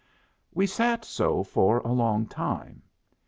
We sat so for a long time.